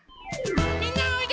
みんなおいで！